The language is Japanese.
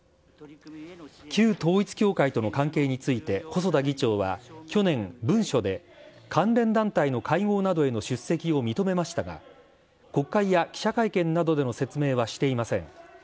旧統一教会との関係について細田議長は去年、文書で関連団体の会合などへの出席を認めましたが、国会や記者会見などでの説明はしていません。